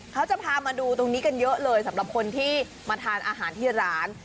เขาจะพามาดูตรงนี้กันเยอะเลยสำหรับคนที่มาทานอาหารที่ร้าน